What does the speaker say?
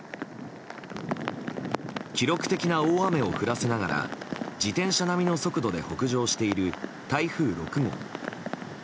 記録的な大雨を降らせながら自転車並みの速度で北上している台風６号。